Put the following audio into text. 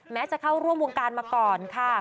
จะเข้าร่วมวงการมาก่อนค่ะ